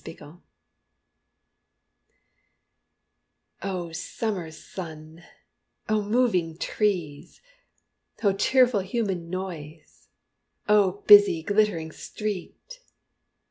O Summer sun, O moving trees! O cheerful human noise, O busy glittering street!